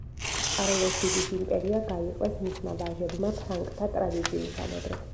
კარლოს დიდის იმპერია გაიყვეს მისმა ვაჟებმა ფრანკთა ტრადიციისამებრ.